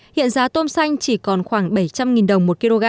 hiện giá tôm xanh chỉ còn khoảng bảy trăm linh đồng một kg